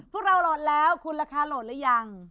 พวกเราโหลดแล้วคุณราคาโหลดหรือยัง